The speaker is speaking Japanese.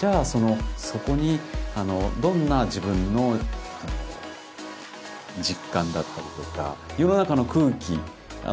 そのそこにどんな自分の実感だったりとか世の中の空気。